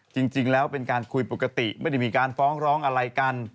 จริงแล้วเป็นการคุยปกติไม่ได้มีการฟ้องร้องอะไรกัน